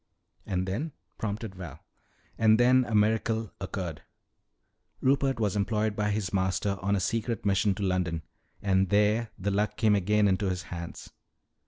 "And then?" prompted Val. "And then a miracle occurred. Rupert was employed by his master on a secret mission to London, and there the Luck came again into his hands.